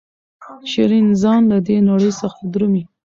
شیرین ځان له دې نړۍ څخه درومي.